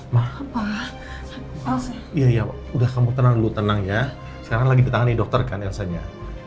ma apa ya udah kamu tenang dulu tenang ya sekarang lagi ditangani dokter kan elsa nya